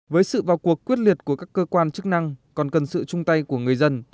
với sự vào cuộc quyết liệt của các cơ quan chức năng còn cần sự chung tay của người dân